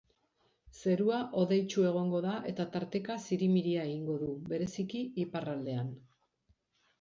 Zerua hodeitsu egongo da eta tarteka zirimiria egingo du, bereziki iparraldean.